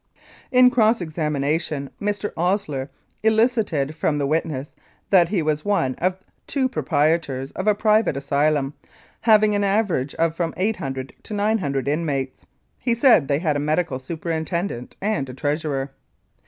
In cross examination, Mr. Osier elicited from the witness that he was one of two proprietors of a private asylum, having an average of from 800 to 900 inmates. He said they had a medical superintendent and a treasurer.